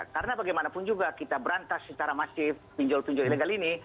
karena bagaimanapun juga kita berantas secara masif pinjol pinjol ilegal ini